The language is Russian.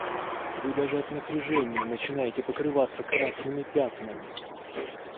Вы даже от напряжения начинаете покрываться красными пятнами.